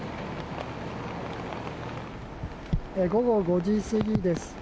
午後５時過ぎです。